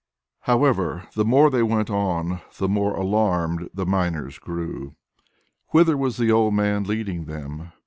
VII However, the more they went on, the more alarmed the miners grew. Whither was the old man leading them?